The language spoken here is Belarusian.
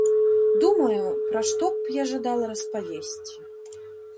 Думаю, пра што б я жадала распавесці.